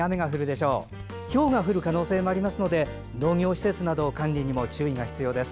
ひょうが降る可能性もありますので農業施設など管理にも注意が必要です。